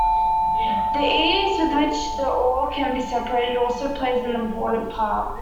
The ease with which the ore can be separated also plays an important part.